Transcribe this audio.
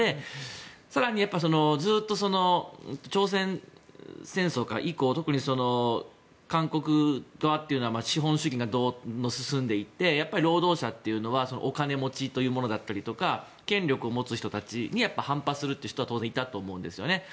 更にずっと朝鮮戦争以降特に韓国側は資本主義が進んでいって労働者というのはお金持ちというものだったりとか権力を持つ人たちに反発する人は当然いたと思うんですね。